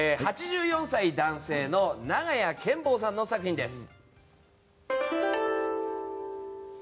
８４歳、男性の永冶健忘さんの作品です。